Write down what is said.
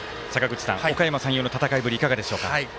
おかやま山陽の戦いぶりはいかがでしょうか。